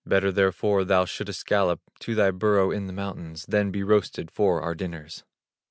Better therefore thou shouldst gallop To thy burrow in the mountains, Than be roasted for our dinners."